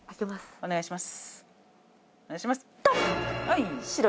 お願いします。